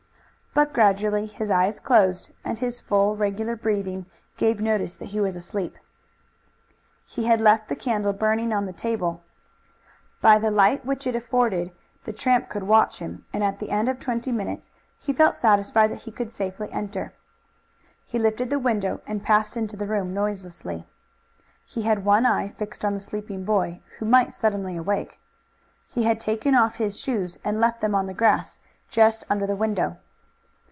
But gradually his eyes closed, and his full, regular breathing gave notice that he was asleep. He had left the candle burning on the table. By the light which it afforded the tramp could watch him, and at the end of twenty minutes he felt satisfied that he could safely enter. He lifted the window and passed into the room noiselessly. He had one eye fixed on the sleeping boy, who might suddenly awake. He had taken off his shoes and left them on the grass just under the window.